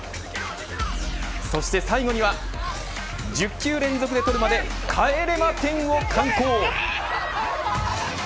そして最後には１０球連続で捕るまで帰れま１０を敢行。